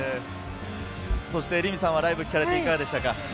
凛美さんはライブを聴かれていかがでしたか？